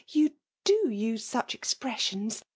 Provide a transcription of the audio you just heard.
You do use sixth egressions.